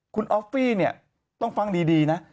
คุณออฟฟี่เนี่ยต้องฟังดีนะ